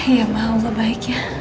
ya maha allah baik ya